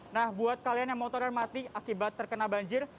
nah buat kalian yang motornya mati akibat terkena banjir